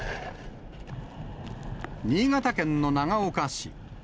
新潟県の長岡市。